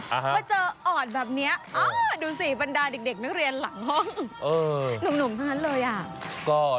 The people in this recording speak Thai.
แต่เจอออดแบบนี้ดูสีฟันดาเด็กนักเรียนหลังห้อง